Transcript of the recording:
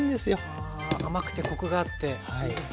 あ甘くてコクがあっていいですよね。